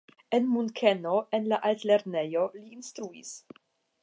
En Munkeno en la altlernejo li instruis.